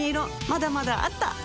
まだまだあった！